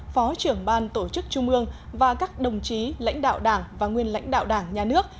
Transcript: phó trưởng ban tổ chức trung ương và các đồng chí lãnh đạo đảng và nguyên lãnh đạo đảng nhà nước